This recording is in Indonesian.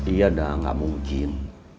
iya dah gak mungkin